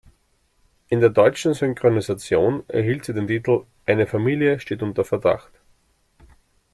In der deutschen Synchronisation erhielt sie den Titel "Eine Familie steht unter Verdacht".